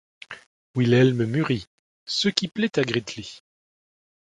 Wilhelm mûrit, ce qui plaît à Gritli.